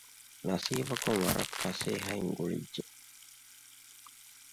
ނަސީބަކުން ވަރަށް ފަސޭހައިން ގުޅިއްޖެ